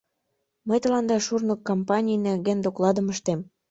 Мый тыланда шурно кампаний нерген докладым ыштем.